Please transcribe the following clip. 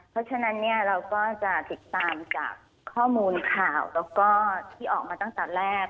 เพราะฉะนั้นเนี่ยเราก็จะติดตามกับข้อมูลข่าวแล้วก็ที่ออกมาตั้งแต่แรก